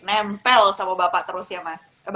nempel sama bapak terus ya mas